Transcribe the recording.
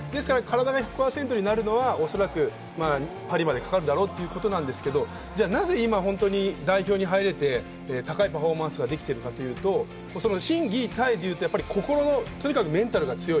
１００％になるのはおそらくパリまでかかるだろうということですけれども、なぜ今代表に入れて、高いパフォーマンスができているかというと、心・技・体でいうと心のメンタルが強い。